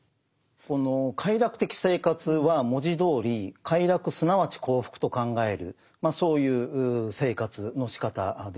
この快楽的生活は文字どおり快楽すなわち幸福と考えるそういう生活のしかたです。